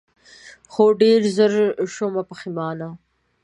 خو ډېر زر شومه پښېمانه